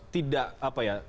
tidak apa ya